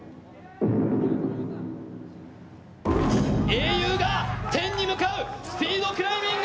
英雄が天に向かうスピードクライミング。